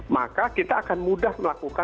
maka kita akan mudah melakukan